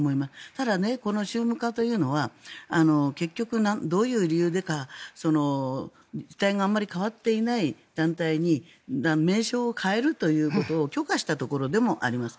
ただ、この宗務課というのは結局、どういう理由でか実態があまり変わってない団体に名称を変えるということを許可したところでもあります。